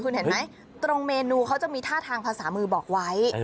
คุณเห็นไหมตรงเมนูเขาจะมีท่าทางภาษามือบอกไว้